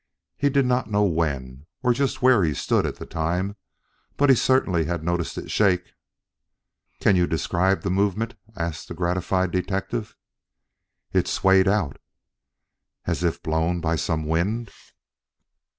He did not know when, or just where he stood at the time, but he certainly had noticed it shake. "Can you describe the movement?" asked the gratified detective. "It swayed out " "As if blown by some wind?"